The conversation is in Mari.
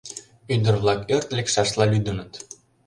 Ӱдыр-влак ӧрт лекшашла лӱдыныт.